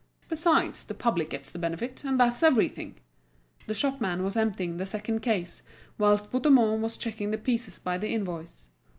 Besides, the public gets the benefit, and that's everything." The shopman was emptying the second case, whilst Bouthemont was checking the pieces by the invoice.